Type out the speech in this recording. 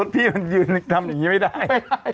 พี่มันยืนทำอย่างนี้ไม่ได้